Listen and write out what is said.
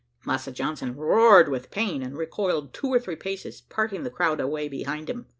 Massa Johnson roared with pain, and recoiled two or three paces, parting the crowd away behind him.